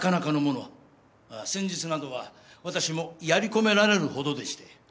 先日などは私もやり込められるほどでして。